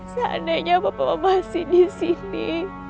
seandainya papa masih disini